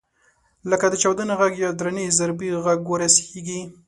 لکه د چاودنې غږ یا درنې ضربې غږ ورسېږي.